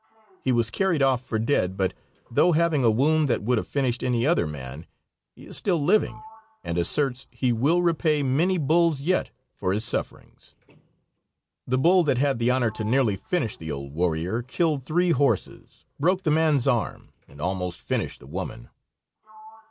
He was carried off for dead, but though having a wound that would have finished any other man, he is still living, and asserts he will repay many bulls yet for his sufferings. The bull that had the honor to nearly finish the old warrior, killed three horses, broke the man's arm, and almost finished the woman.